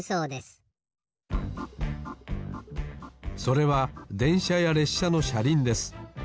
それはでんしゃやれっしゃのしゃりんです